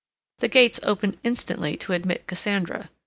The gates opened instantly to admit Cassandra.